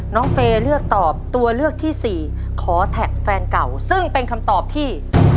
เฟย์เลือกตอบตัวเลือกที่สี่ขอแท็กแฟนเก่าซึ่งเป็นคำตอบที่